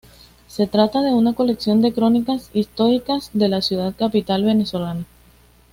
Se trata de una colección de crónicas históricas de la ciudad capital venezolana.